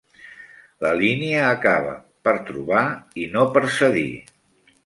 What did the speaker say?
La línia acaba...per trobar, i no per cedir.